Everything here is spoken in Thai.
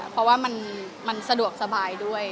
เพราะว่ามันสะดวกสบายด้วย